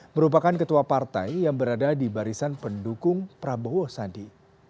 merupakan ketua partai yang berada di barisan pendukung prabowo sandi